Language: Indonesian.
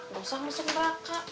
dosa ngesel meraka